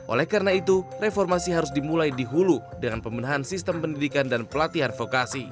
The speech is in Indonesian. oleh karena itu reformasi harus dimulai di hulu dengan pemenahan sistem pendidikan dan pelatihan vokasi